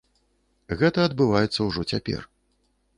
Гэта адбываецца ўжо цяпер.